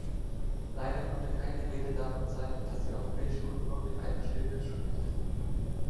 Leider konnte keine Rede davon sein, dass die Europäische Union mit einer Stimme spricht.